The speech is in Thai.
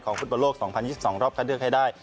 ฟุตบอลโลก๒๐๒๒รอบคัดเลือกให้ได้